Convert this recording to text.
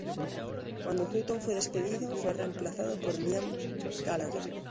Cuando Hutton fue despedido, fue reemplazado por Liam Gallagher.